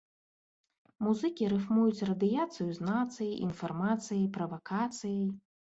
Музыкі рыфмуюць радыяцыю з нацыяй, інфармацыяй, правакацыяй.